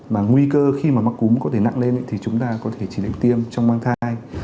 mà nguy cơ khi mà mắc cúm có thể nặng lên thì chúng ta có thể chỉ định tiêm trong mang thai